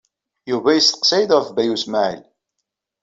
Yuba yesteqsa-yi-d ɣef Baya U Smaɛil.